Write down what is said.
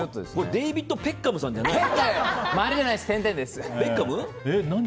デービッド・ペッカムさんじゃないの？